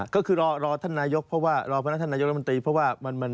ก็คือรอนายกเพราะว่า